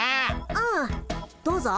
うんどうぞ。